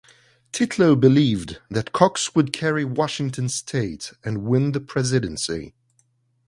Titlow believed that Cox would carry Washington state and win the presidency.